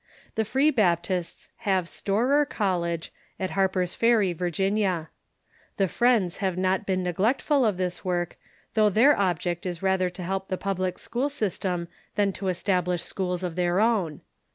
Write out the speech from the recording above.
The Free Baptists have Storer College, at Har per's Ferry, Virginia. The Friends have not been neglectful of this work, though their object is rather to help the public school system than to establish schools of their own.